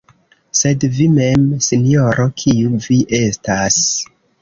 Sed vi mem, sinjoro, kiu vi estas?